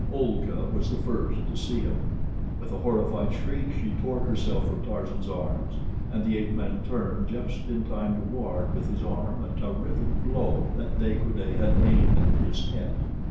Olga was the first to see him. With a horrified shriek she tore herself from Tarzan's arms, and the ape man turned just in time to ward with his arm a terrific blow that De Coude had aimed at his head.